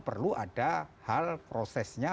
perlu ada hal prosesnya